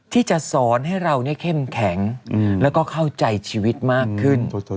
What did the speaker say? ที่จะสอนให้เราเข้มแข็งแล้วก็เข้าใจชีวิตมากขึ้น